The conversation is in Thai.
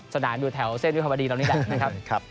สนานอยู่แถวเส้นวิธีภาพดีเรานี่แหละ